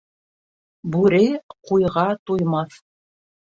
Бүре ҡуйға туймаҫ